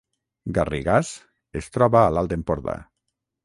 Garrigàs es troba a l’Alt Empordà